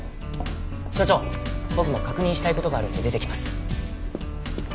所長僕も確認したい事があるんで出てきます。